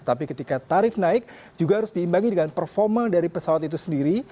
tapi ketika tarif naik juga harus diimbangi dengan performa dari pesawat itu sendiri